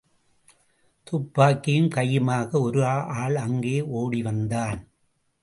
துப்பாக்கியும் கையுமாக ஒரு ஆள் அங்கே ஓடிவந்தான்.